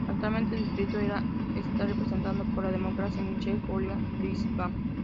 Actualmente el distrito está representado por la Demócrata Michelle Lujan Grisham.